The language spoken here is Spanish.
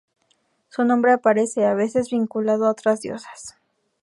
Su nombre aparece, a veces, vinculado a otras diosas.